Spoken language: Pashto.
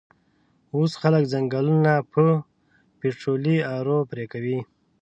وس خلک ځنګلونه په پیټررولي ارو پیرکوی